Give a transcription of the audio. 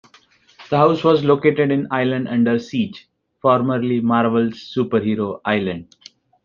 The house was located in "Island under Siege", formerly Marvel's superhero island.